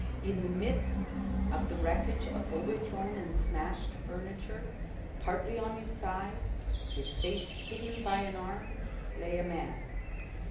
In the midst of the wreckage of overthrown and smashed furniture, partly on his side, his face hidden by an arm, lay a man.